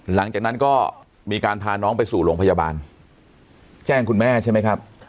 หลังจากนั้นก็มีการพาน้องไปสู่โรงพยาบาลแจ้งคุณแม่ใช่ไหมครับ